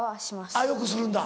あっよくするんだ。